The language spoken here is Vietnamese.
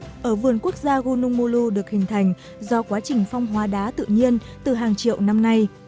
và đến bây giờ diện tích của vườn quốc gia gunung mulu được hình thành do quá trình phong hoa đá tự nhiên từ hàng triệu năm nay